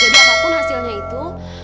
jadi apapun hasilnya itu